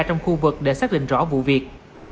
trong khu vực để xác định rõ vụ việc